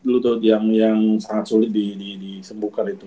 lutut yang sangat sulit di sembuhkan itu